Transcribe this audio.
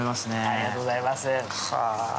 ありがとうございます。